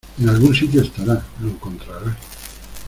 En algún sitio estará. Lo encontrarás .